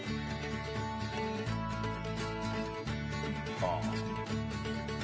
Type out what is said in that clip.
はあ！